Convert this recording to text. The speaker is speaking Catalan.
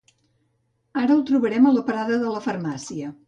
Ara el trobarem a la parada de la farmàcia